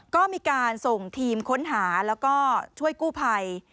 ก็มีการส่งทีมค้นหาแล้วก็ช่วยกู้ภัย